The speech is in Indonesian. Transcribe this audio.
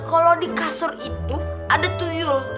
kalau di kasur itu ada tuyul